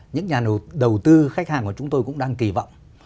những nhà đầu tư khách hàng của chúng tôi cũng đang kỳ vọng